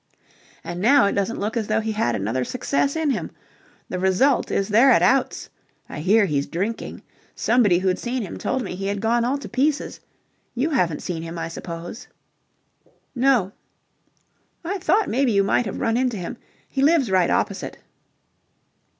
And now it doesn't look as though he had another success in him. The result is they're at outs. I hear he's drinking. Somebody who'd seen him told me he had gone all to pieces. You haven't seen him, I suppose?" "No." "I thought maybe you might have run into him. He lives right opposite."